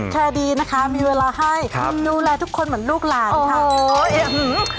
แชร์ดีนะคะมีเวลาให้ดูแลทุกคนเหมือนลูกหลานค่ะ